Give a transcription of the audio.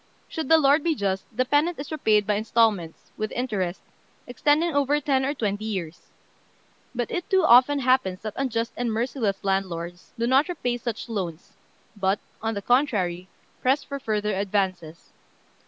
Should the lord be just, the peasant is repaid by instalments, with interest, extending over ten or twenty years. But it too often happens that unjust and merciless lords do not repay such loans, but, on the contrary, press for further advances.